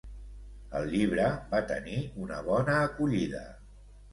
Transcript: El llibre va tenir una bona acollida.